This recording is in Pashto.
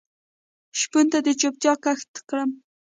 شپو ته د چوپتیا کښت کرم